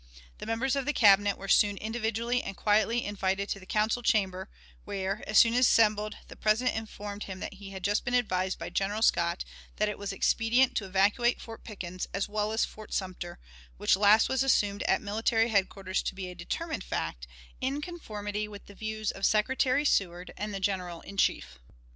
The members of the Cabinet were soon individually and quietly invited to the council chamber, where, as soon as assembled, the President informed them he had just been advised by General Scott that it was expedient to evacuate Fort Pickens, as well as Fort Sumter, which last was assumed at military headquarters to be a determined fact, in conformity with the views of Secretary Seward and the General in Chief....